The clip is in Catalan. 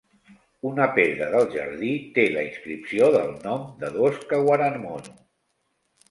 Una pedra del jardí té la inscripció del nom de dos "kawaramono".